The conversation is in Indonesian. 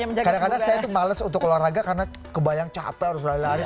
kadang kadang saya tuh males untuk olahraga karena kebayang capek harus lari lari